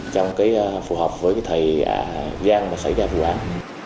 trong cái phù hợp với cái thời gian mà xảy ra vụ án